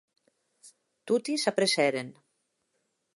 Toti s’apressèren.